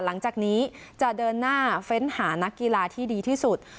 หลังจากนี้จะเดินหน้าเฟ้นหานักกีฬาที่ดีที่สุด